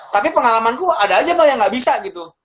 tapi pengalamanku ada aja mbak yang gak bisa gitu